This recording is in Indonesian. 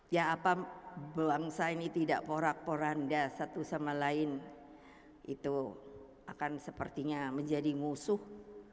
ya apa bangsa ini tidak porak poranda satu sama lain itu akan sepertinya menjadi musuh